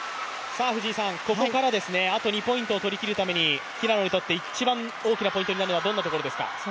ここからあと２ポイントを取りきるために、平野にとって一番大きなポイントはどんなところですか。